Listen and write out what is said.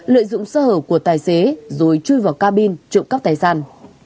lợi dụng sơ hở của tài xế rồi chui vào ca biên trộn cắt tài sản